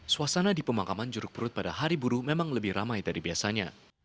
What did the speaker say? suasana di pemakaman juruk perut pada hari buruh memang lebih ramai dari biasanya